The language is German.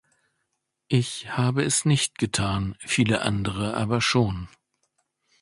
Ich habe es nicht getan, viele andere aber schon.